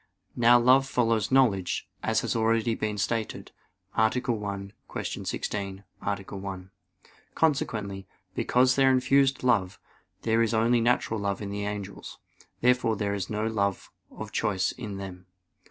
Now love follows knowledge, as has been already stated (A. 1; Q. 16, A. 1). Consequently, besides their infused love, there is only natural love in the angels. Therefore there is no love of choice in them.